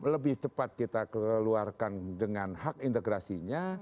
lebih cepat kita keluarkan dengan hak integrasinya